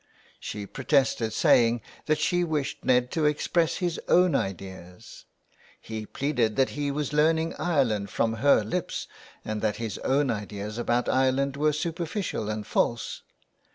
She protested, saying that she wished Ned to express his own ideas. He pleaded that he was learning Ireland from her lips and that his own ideas about Ireland were superficial and false.